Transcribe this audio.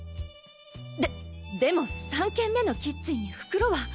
ででも３件目のキッチンに袋は。